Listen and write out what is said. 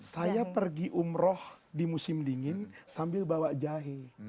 saya pergi umroh di musim dingin sambil bawa jahe